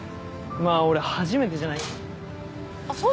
まあ俺初めてじゃないからさ。